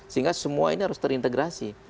sehingga semua ini harus terintegrasi